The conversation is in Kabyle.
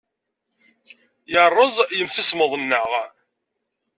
Yerreẓ yimsismeḍ-nneɣ.